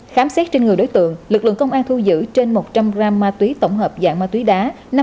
khám xét trên người đối tượng lực lượng công an thu giữ trên một trăm linh gram ma túy tổng hợp dạng ma túy đá